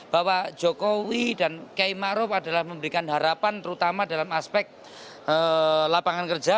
bahwa jokowi dan kiai maruf adalah memberikan harapan terutama dalam aspek lapangan kerja